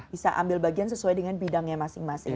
bisa ambil bagian sesuai dengan bidangnya masing masing